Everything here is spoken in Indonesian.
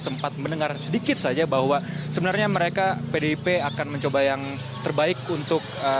sempat mendengar sedikit saja bahwa sebenarnya mereka pdip akan mencoba yang terbaik untuk